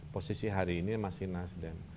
posisi hari ini masih nasdem